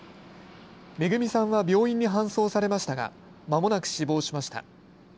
めぐみさんは病院に搬送されましたがまもなく死亡しました。